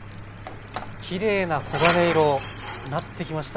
きれいな黄金色なってきました。